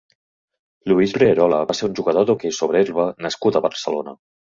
Luis Rierola va ser un jugador d'hoquei sobre herba nascut a Barcelona.